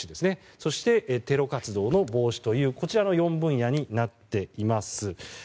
そしてテロ活動の防止という４分野になっています。